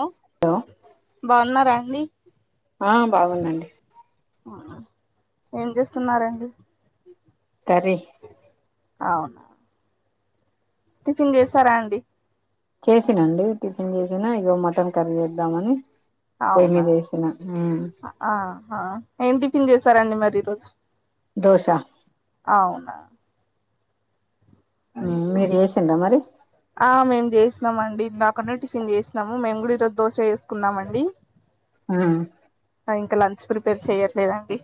Hello బాగున్నారా ని ఆ బాగుందండి ఏం చేస్తున్నారండి కర్రీ అవునా టిఫిన్ చేసారా అండి తిన్న ఇగో మటన్ కర్రీ చేద్దామని పొయ్యి అవునా మీద వేసిన ఉమ్ ఆ హ ఏం టిఫిన్ చేస్ సరే అండి మరి ఈ రోజు దోశ అవునా హ్మ్ మీరు చేసిండ్రా మరి ఆ మేము చేసినాం అండి ఇందాకనే టిఫిన్ చేసినాము మేము కూడా ఈరోజ దోశ చేసుకున్నాం అండి ఆ ఇంకా లంచ్ ప్రిపేర్ చెయ్యట్లేదండి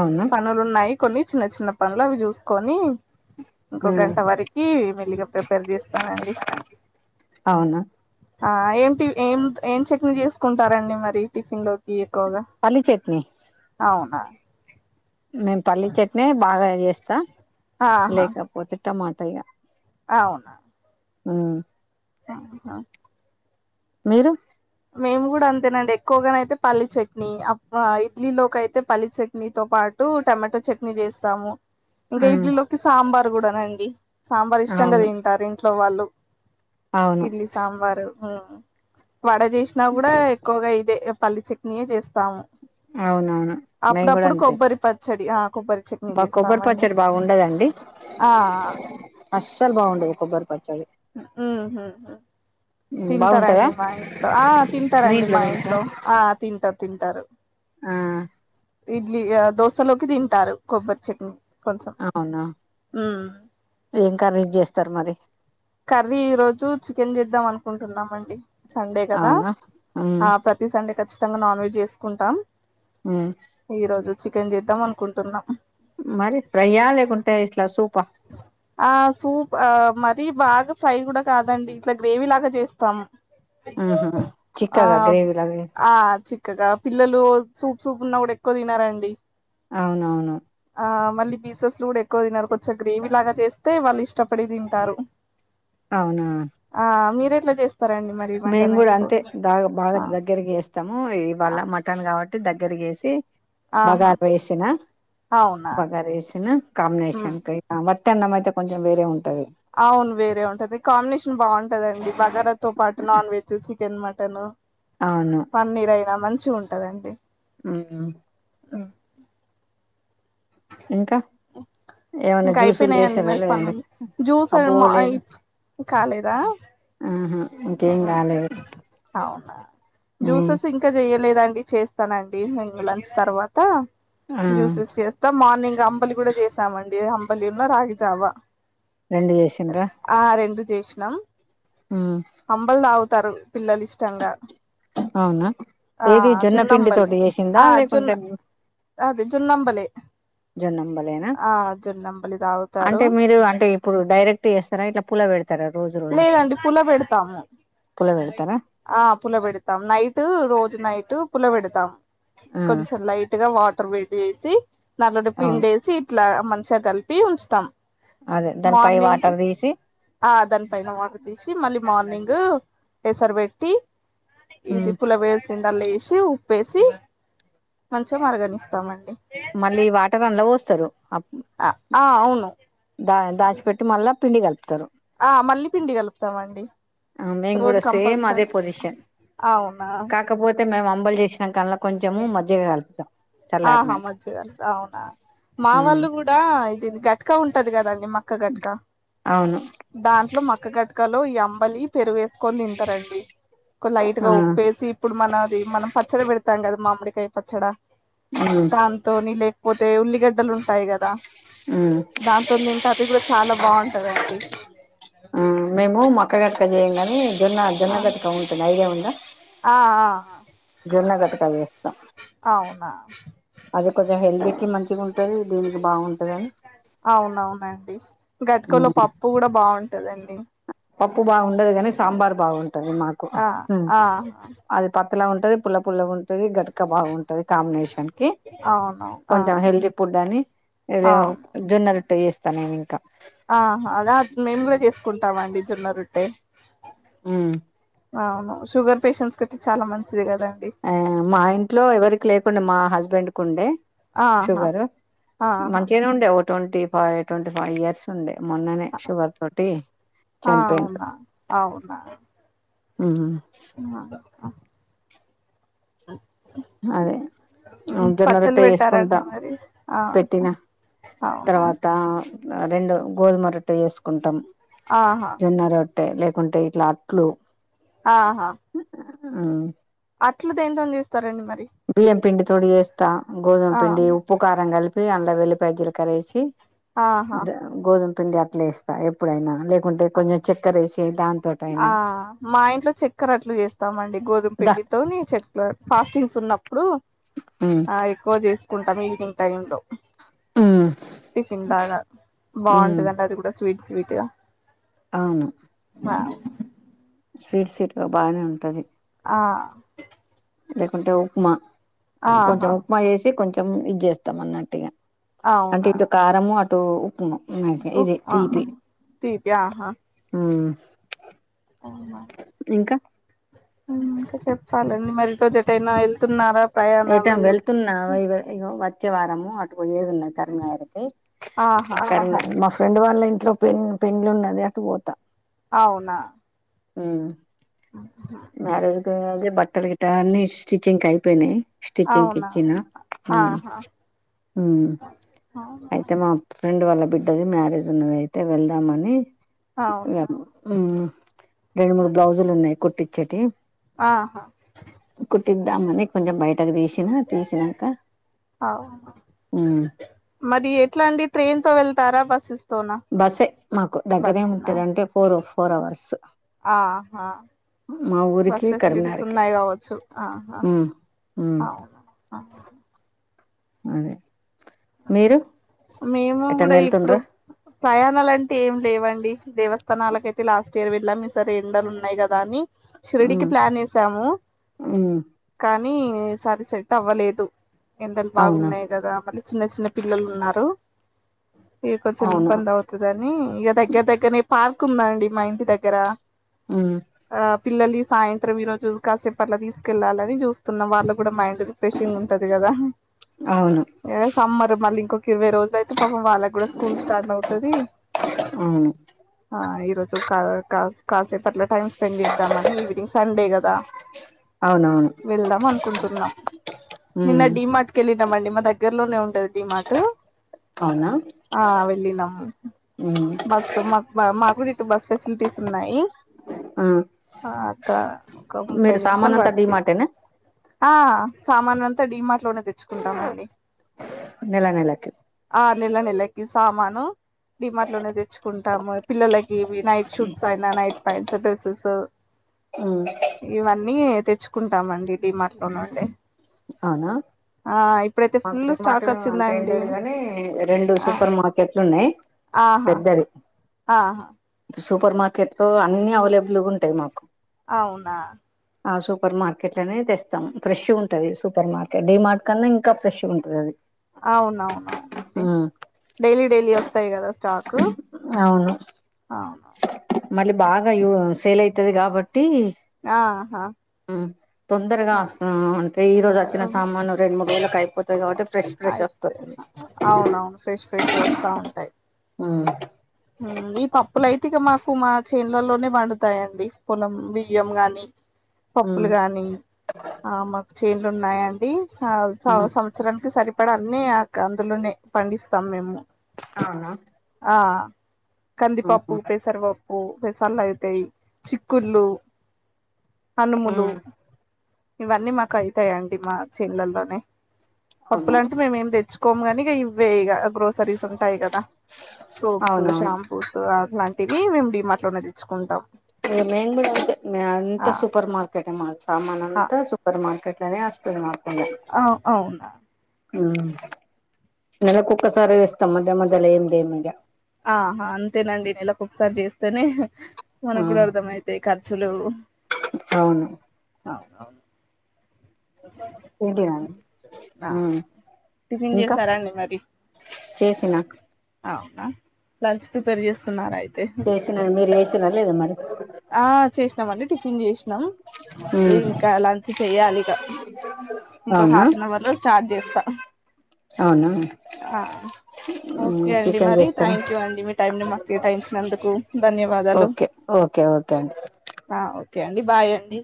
అవునా పనులు ఉన్నాయి కొన్ని చిన్న చిన్న పనులు అవి చూసుకొని ఇంకో ఉమ్ గంట వరకి మెల్లగా ప్రిపేర్ చేస్తానండి అవునా ఆ ఏం ఏం ఏం చట్నీ చేసుకుంటారండి మరి టిఫిన్ లో ఏ కువగా పల్లీ చట్నీ అవునా నేను పల్లి చట్నీ బాగా చేస్తా ఆహా లేకపోతే టమాట ఏయ్య అవునా హ్ ఆహా మీరు మేము కూడా అంతేనండి ఎక్కువగాన అయితే పల్లి చట్నీ అబ్బా ఇడ్లీ లోకి అయితే పల్లి చట్నీతోపాటు టమాటో చట్నీ వేస్తాము ఇంకా ఉమ్ ఇడ్లీ లోకి సాంబార్ నేను కూడానండి సాంబార్ ఇష్టంగా అవును తింటారు ఇం మా వాళ్లు అవును ఇడ్లీ సాంబారు హ వడ చేసినా కూడా ఎక్కువగా ఇదే పల్లి చట్నీయే చేస్తాము అవునవును మేము కూడా అప్పుడుప్పుడు అంతే కొబ్బరి పచ్చడి య మా కొబ్బరి పచ్చడి బాగుండదండి ఆ అస్సలు బాగుండదు కొబ్బరి పచ్చడి హ్ ఉమ్ బాగుంటదా తింటారండి మా ఇంట్లో ఆ మీ తింటారండి మా తింటరా ఇంట్లో ఆ తింటారు తింటారు ఆ ఇడ్లీ ఆ దోశలోకి తింటారు కొబ్బరి చట్నీ కొంచెం అవునా ఉమ్ ఏంకరెజ్ చేస్తారు మరి కర్రీ ఈ రోజు చికెన్ చేద్దాం అనుకుంటున్నామండి సండే కదా అవునా ఉమ్ ఆ ప్రతి సండేకచ్చిత ఖచ్చితంగా నాన్ వెజ్ చేసుకుంటాం. ఉమ్ ఈ రోజు చికెన్ చేద్దాం అనుకుంటున్నాం. మరి ఫ్రయ్య లేకుంటే ఇట్లా సూపా. ఆ సూప్ ఆహ్ మ మరీ బాగా ఫ్రై కూడా కాదండి ఇట్లా గ్రేవీ లాగా చేస్తాం ఆహా ఆ చిక్కగా గ్రేవీ లాగా ఆ చిక్కగా పిల్లలు సూప్ సూప్ ఉన్నా కూడా ఎక్కువ తినరండి. అవునువును. ఆ మళ్ళి పీసెస్ లు కూడా ఎక్కువ తినరు కొంచెగా గ్రేవీ లాగా చేస్తే వాళ్ళు ఇష్టపడి తింటారు అవునా అట్లా చేస్ మేము కూడా అంతే బాగా బాగా దగ్గరకి చేస్తాము ఇవాళ మటన్ కాబ దగ్గరగేసి ఆహా బగారు యేసిన అవునా బగార్ యేసిన ఉమ్ కాంబినేషన్ కై ఉత్త అన్నమయితే కొంచెం వేరే ఉంది అవును వేరే ఉంటది కాంబినేషన్ బాగుంటదండి బగారా తో పాటు non veg chicken chicken mutton అవును పన్నిరైనా మంచ్ మంచిగుంటదండి. హ్మ్ ఉమ్ ఇంకా ఏమన్నా ఇంకా జ్యూసులు అయిపోయినాయండి చేసారా మరి లేదండి పనులు జ్యూస్ అ అబ్బో మా అయి లేదు కాలేదా ఆహా ఆ, ఇంకేం కాలేదు అవునా ఉమ్ జ్యూసెస్ ఇంకా చెయలేదండి. చేస్తానండి లంచ్ తర్వాత ఆ జ్యూసెస్ చేస్తా మార్నింగ్ అంబలి కూడా చేసామండి అం జోన్న [unintelligible] రాగిజావా రెండు చేసిండ్ర జేష్ణం అబల్ దగు తరు పిల్లలు ఇష్టంగా అవునా ఆ ఏది జొన్నపిండి జున్నంబలి తోటి చేసిందా ఆ జున్ లేకుంటే అది జున్నంబలి జొన్నంబలేనా ఆ జున్నంబలి తాగుతారు అంటే మీరు అంటే ఇప్పుడు డైరెక్ట్ తీస్తార ఇట్ల పుల పెడుత లేదండి పుల పెడతాము పుల పెడతారా ఆ పుల పెడత తం నైట్ రోజు నైట్ పులవెడుతాం ఆ కొంచం లైట్గ వాట్ వేడి చేసి నలు అవును పిండేసి ఇట్లా మంచిగ కలిపి ఉంచుతాం అదే దానిపైవాటర్ తీసి పైన వాటర్ తీసి మళ్ళీ మార్నింగ్ ఎసరు వేట్టి ఇది ఉమ్ పుల వేసింది అల్ ఇష్ట చి ఉప్పేసి మంచి మరగనిస్తామండి మళ్ళీ వాటరన్ల పోస్తారు అ ఆ అవును దా దాసిపెట్టి మళ్ళా పిండికల్ప ఆ మళ్ళీ పిండి కలుపుతామండి ఆ, మేము రోజు కూడా సేమ్ అదే కంపల్సరీ పొజిషన్ అవునా అంబలి జెసి ఆహా చల్లారినాక మజ్జిగ అవునా మా ఉమ్ వాళ్ళు కూడా ఇది గట్క ఉంటదికదండీ మక్క గట్క అవును దాంట్లో మక్క గట్ట కలో ఈ అంబలి పెరుగేస్త కొని తింటారండి ఒక లైట్ ఆ గా ఉప్పేసి ఇప్పుడు మనది మనం పచ్చడి పెడతే తింటాం కదా మామిడికాయ పచ్చడా ఉమ్ ధన్తోనిలే పోతే ఉల్లిగడ్డలుంటయి కదా ఉమ్ దాంతో తింట అది కూడా చాలా బాగుంటందండి క్కగా చేయం కానీ జొన్న జోన్నగట్క ఉంటుంది ఐడియా ఉంద ద అ ఆ జొన్న గట్కా చెస్ అవునా అది కొంచెం హెల్దీకి మంచిగుంటది దీనికి బాగుంటది అని ది గట్కలో పప్పు కూడా బాగుంట అదండి పప్పు బాగుండదుగని సాంబార్ బాగుండు హ్మ్ మాకు ఆ హ్మ్ ఆ అది ప తెల్లగా ఉంటది పుల్ల పుల్లగా ఉంటది గట్క బాగుంటది అది కాంబినేషన్కి అవును ఆ కొంచెం హెల్తీ ఫుడ్ అని ఇది అవును జొన్నరొట్టె అట్ట చేస్తా నేనింక ఆహా అదా మేము కూడా చేసుకుంటాము అండి జొన్న రొట్టె హ్మ్మ్ అవును షుగర్ పేషెంట్స్కైతే అయితే చాలా మంచి ఆ మాఇంట్లో ఎవరికి లేకుండా మా హస్బెండ్ హస్బెండ్కు ఉండే ఆహా షుగరు ఆహా మంచిగనే ఉండే ఒక twenty five twenty five years ఉండే మొన్ననే షుగర్తోటీ ఆ చనిపోయిండు అవునా అవునా హ్మ్ [inaudible] అ అదే జొన్న పచ్చళ్ళు రొట్టె పెట్టారండి చేసుకుంటా మరి ఆ పెట్టిన అవునా తర్వాతా రెండు గోధుమరొట్టె చెసుకుంటాం ఆహా టే లేకుంటే ఇట్లా అట్లు ఆహా హ్మ్ అట్లు దెంతోని చేస్తారండి మరి బియ్యంపిండితోడి చేస్తా ఆ గోధుమపిండి ఉప్పుకారం కలిపి అల్లం వేల్లిపాయి జిలకరేసి ఆహా గోధు పిండి అట్లేస్త ఎప్పుడైనా లేకుంటే కొంచెం చక్కెర వేసి ఆ దానితోటైనా మా ఇంట్లో చక్కెరఅట్లు చేస్తామండి గోధుమ దా పిండితోని చెక్కర ఉ ఫాస్టింగ్స్ ఉన్నప్పుడూ ఉమ్ ఆ ఎక్కువ చేసుకుంటాం ఇవి ఇంతయుండో ఉమ్ టిఫిన్ బాగా ఉమ్ బాగుంటదంట అది కూడా స్వీట్ స్వీట్ గా అవును ఆ స్వీట్ సీట్గాగా బానే ఉంటది ఆ లేకుంటే ఉప్మా కొంచెం ఆహా ఉప్మా వేసి కొంచెం హ్మ్ ఇది చేస్తాం అన్నట్టిగా అంటే అవునా ఇటు కారము అటు ఉపమ ఇదే ఉప్మా తీపి తీపి హ్మ్ అవున ఇంకా హ్మ్ ఇంకా చెప్పాలండి మరి ప్రజెట్ అయినా వెళ్తున్నారా ప్రయాణాలు ఏటైనా వెళ్తున్నావా ఇగో ఇగో వ వచ్చే వారము అటు పోయేదున్నది కరీంనగర్ కి ఆహా కరీంనగర్ మా ఫ్రెండ్ వాళ్ళ ఇంట్లో పెల్ పెండ్లి ఉన్నది అటు పోతా అవునా హ్మ్ అదే అదే బట్టలు గిట అన్ని స్టిచింగ్ కి ఐపోయినై స్టిచ్చింగ్కి అవునా ఇచ్చిన హ్మ్ ఆహా హ్మ్ అయితే మా ఫ్రెండ్ వాళ్ళకి బిడ్డది మ్యారేజ్ ఉన్నదైతే వెళ్దామని అవునా హ్మ్ రెండు మూడు బ్లౌజులు ఉన్నాయి కుట్టి చ్చటి ఆహా తిందామని కొంచెం బయటకు తీసి ఆహా ఉమ్ మరి ఎట్లా అండి ట్రైన్ తో వెళ్తారా బస్సెస్ తోనా బస్సే మాకు దగ్గరే బస్సునా ఉంటదంటే ఫోరు ఫోర్ అవర్స్ ఆహా మా ఊరికి బస్ ఫెసిలిటీస్ కరీంనగర్కి ఉన్నాయి కావచ్చు ఆహ ఉమ్ ఉమ్ అవును అ అదే మీరు మేము కూడా ఎటన్నా ఇప్పుడు వెళ్తుండ్రా ప్రయాణాలంటే ఏం లేవండి దేవస్థానాలకయితే లాస్ట్ ఇయర్ వెళ్ళాము సరే ఎండలు ఉన్నాయి కదా అని షిర్డికి ఉమ్ ప్లాన్ ఏసాము ఉమ్ కానీ కానీ ఈ సారి సెట్ అవ్వలేదు ఎండలు అవునా బాగున్నాయి కదా అని ఇద్దరు పిల్లలు ఉన్నారు ఇ కొంచెం అవును ఇబ్బంది అవుతుందని ఇక దగ్గర దగ్గర్నే పార్క్ కుందండి మా ఇంటి దగ్గర ఉమ్ ఆ పిల్లలి సాయంత్రం ఈ రోజు కాసేపట్లా తీసుకెళ్ళాలని చూస్తున్నాం వాళ్ళు కూడా మైండ్ రిఫ్రెషింగ్ ఉంటది కదా అవును సమ్మర్ మళ్ళీ ఇంకొటి ఇరవై రోజులు అయితే పాపం వాళ్ళకి కూడా స్కూల్ స్టార్ట్ అవుతుది అవును ఆ ఈరోజు కా కా కాసే పట్ల టైమ్స్ పంపిద్దామని ఈవినింగ్ సండే కదా అవునవును వెళ్దాం అనుకుంటున్నాం నిన్న ఉమ్ డి మార్ట్ క వెళ్ళినామండి మా దగ్గర దగ్గరలోనే ఉంటది డి మార్ట్ అవునా ఆ వెళ్లినం ఉమ్ బస్ మాకు బ మాకు బస్ ఫెసిలిటీస్ ఉన్నాయి ఆ మాకా ఒక ముప్పై మీరు సామాన్ నిమిషాలు అంతా పడుతీ డిమార్టేనా ఆ సామాన్ అంతా డి మార్ట్ లోనే తెచ్చుకుంటామండి నెల నెలకి ఆ నెల నెలకి సామాను డి మార్ట్ లోనే తెచ్చుకుంటాము పిల్లలకి ఇవి నైట్ షూట్స్ ఐన నైట్ పాయింట్స్ డ్రెస్సెస్ ఉమ్ ఇవన్నీ తే తెచ్చుకుంటామండి డి మార్ట్ అవునండి అవునా మాకు ఫుల్ డి మార్ట్ స్టాక్ అంటే వచ్చిందండి ఏంటది కాని రెండు ఆ సూపర్ మార్కెట్లు ఉన్నాయ్ ఆహా ఆహా సూపర్ మార్కెట్ లో అన్నీ అవైలబుల్ గా ఉంటాయి మాకు అవునా ఆ సూపర్ మార్కెట్ లనే తెస్తాం ఫ్రెష్ గా ఉంటే ఉంటది సూపర్ మార్కెట్ డి మార్ట్ కన్నా ఇంకా ఫ్రెష్ ఉంటది అది అవును అవునవును ఉమ్ డైలీ డైలీ వస్తాయి తే కదా స్టాక్ అవును ఆ మళ్ళీ బాగా యో సేల్ అయితది కాబట్టి ఆహా ఆ తొందరగా వస్తాం అంటే ఈ రోజు వచ్చిన సామాన్లు రెండు మూడు వేలు అయిపోది కాబట్టి ఫ్రెష్ ఫ్రెష్ అయితే వస్తది అవునవును ఫ్రెష్ ఫ్రెషగా వస్తా ఉంటాయి ఉమ్ ఈ పప్పుల అయితే ఇక మాకు మా చేన్లలోనే పండుతాయండి పొలం బియ్యం గాని పప్పులు ఉమ్ గాని ఆ మాకు చి చెన్లు ఉన్నాయండి ఆ సంవ ఉమ్ సంవత్సరానికి సరి ఇక్కడ అన్ని ఆ ఇక అందులోనే పండిస్ తం మేము అవునా ఆ కంది ఉహు పప్పు పేసర పప్పు పెసళ్లు అయితై చిక్కుళ్ళు అనుములు ఉమ్ ఇవన్నీ మాకు అయితయండి మా చేన్లల్లోనే అవును పప్పులు అంటే మేమేమి తెచ్చు కొముగని ఇవ్వే ఇగా గ్రోసరీస్ ఉంటాయి కదా సోప్స్ అవునవును షాంపూస్ అవి ఇలాంటివి మేము డీమాట్లోనే తెచ్చుకుంటాం ఇంగా మేం కూడా అంతే మేం అంత ఆ సూపర్ మార్కెట్టే మది సమాన్ అంతా సూపర్ మార్కెట్ ఇట్లనే వస్తది మాకు అ అవునా హ్మ్ నెలకు ఒక్కసారే తేస్తాం మధ్య మధ్యలో ఏం తేమ్ ఇగ ఆహా అంతేనండి నెలకొసారి చేస్తేనే ఆ మనకు కూడా అర్థమైతాయి ఖర్చులు అవును అవును ఏంటి రండి టిఫిన్ ఇంకా చేసారా అండి మరి? చేసిన అవునా లంచ్ ప్రిపేర్ చేస్తున్నారా అయితే చేసినను మీరు లె తినలేదా మరి ఇ [unintelligible] టిఫిన్ చేసినాం ఉమ్ ఇంకా లాంచి చెయ్యాలి ఇక ఇంకా అవునా హాఫ్ అన్ అవర్ లో స్టార్ట్ చేస్త అవునా త ఉమ్ ఓకే అండి చికెన్ మరి చేస్తారా థ్యాంక్ యూ అండి మీ టైంని మాకు కేటాయించినందుకు ధన్యవాదాలు. ఓకే ఓకే ఓకే తం ఓకే అండి బాయ్ అండి